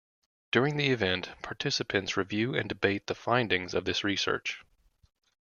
During the event, participants review and debate the findings of this research.